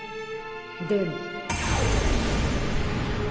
でも。